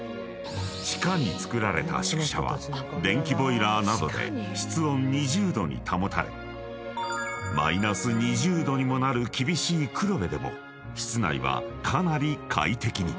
［地下に造られた宿舎は電気ボイラーなどで室温２０℃に保たれマイナス２０℃にもなる厳しい黒部でも室内はかなり快適に］